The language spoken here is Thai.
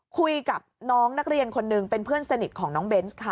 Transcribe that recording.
คุยกับน้องนักเรียนคนหนึ่งเป็นเพื่อนสนิทของน้องเบนส์ค่ะ